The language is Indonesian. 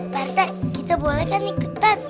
warga kita boleh kan ikutan